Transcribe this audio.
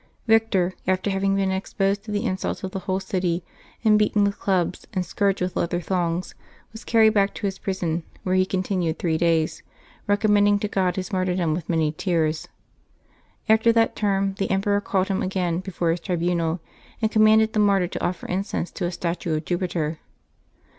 Victor, after having been ex posed to the insults of the whole city and beaten vrith clubs and scourged with leather thongs, was carried back to prison, where he continued three days, recommending to God his martyrdom with many tears. After that term the emperor called him again before his tribunal, and com manded the martyr to offer incense to a statue of Jupiter.